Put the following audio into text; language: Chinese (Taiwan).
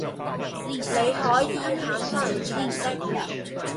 你可以很吝嗇的